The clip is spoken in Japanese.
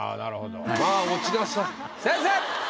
先生！